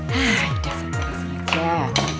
nah udah selesai aja